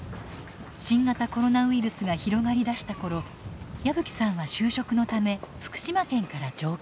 新型コロナウイルスが広がり出した頃矢吹さんは就職のため福島県から上京。